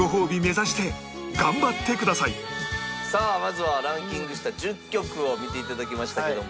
さあまずはランキングした１０曲を見ていただきましたけども。